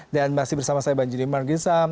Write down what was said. dan masih bersama saya bang juli marginsam